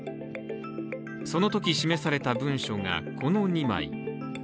そのとき示された文書が、この２枚。